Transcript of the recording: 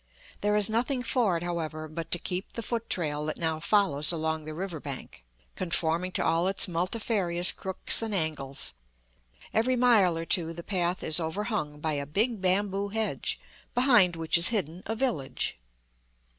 There is nothing for it, however, but to keep the foot trail that now follows along the river bank, conforming to all its multifarious crooks and angles. Every mile or two the path is overhung by a big bamboo hedge, behind which is hidden a village.